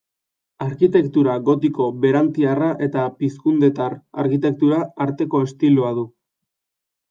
Arkitektura gotiko berantiarra eta pizkundetar arkitektura arteko estiloa du.